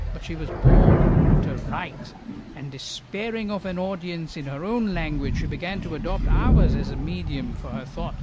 But she was born to write, and despairing of an audience in her own language, she began to adopt ours as a medium for her thought.